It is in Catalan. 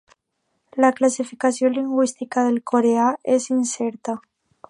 La classificació lingüística del coreà és incerta.